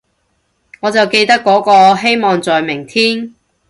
我就記得嗰個，希望在明天